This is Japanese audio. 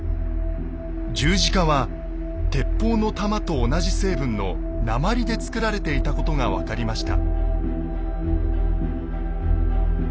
十字架は鉄砲の弾と同じ成分の鉛で作られていたことが分かりました。